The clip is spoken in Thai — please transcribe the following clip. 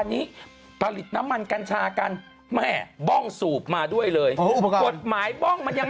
เดี๋ยวกลับมาสักครู่เดี๋ยว